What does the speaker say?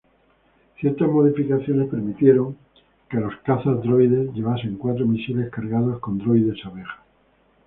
Ciertas modificaciones permitieron que los cazas droides llevasen cuatro misiles cargados con droides abeja.